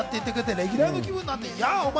レギュラーの気分なんて。